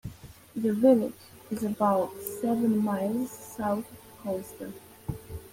The village is about seven miles south of Colchester.